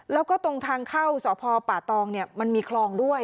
แล้วก็ตรงทางเข้าสพป่าตองมันมีคลองด้วย